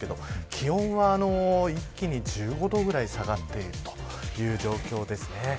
気温は一気に１５度ぐらい下がっているという状況です。